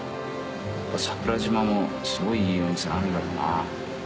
桜島もすごいいい温泉あるんだろうな。